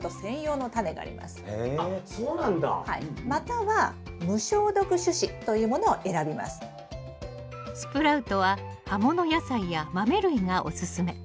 またはスプラウトは葉もの野菜や豆類がおすすめ。